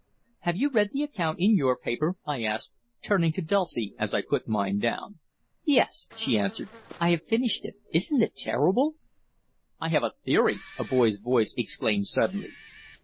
"Have you read the account in your paper?" I asked, turning to Dulcie as I put mine down. "Yes," she answered, "I have just finished it. Isn't it terrible?" "I have a theory," a boy's voice exclaimed suddenly.